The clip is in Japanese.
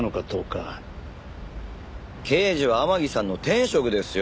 刑事は天樹さんの天職ですよ